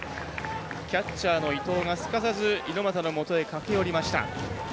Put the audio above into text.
キャッチャーの伊藤が、すかさず猪俣のもとへ駆け寄りました。